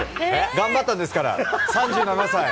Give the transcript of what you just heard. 頑張ったんですから、３７歳。